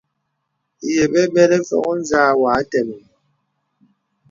Ye bəbələ fògo nzà wà àteməŋ.